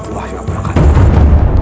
assalamualaikum warahmatullahi wabarakatuh